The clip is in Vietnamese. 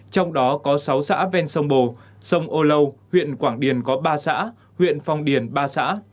trong đó có sáu xã ven sông bồ sông âu lâu huyện quảng điền có ba xã huyện phong điền ba xã